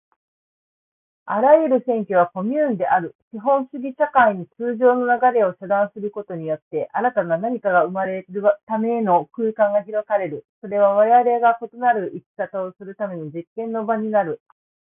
あらゆる占拠はコミューンである。資本主義社会の通常の流れを遮断することによって、新たな何かが生まれるための空間が開かれる。それはわれわれが異なる生き方をするための実験の場になる。